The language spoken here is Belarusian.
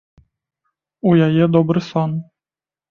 У яе добры сон.